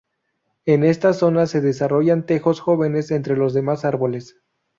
En estas zonas se desarrollan tejos jóvenes entre los demás árboles.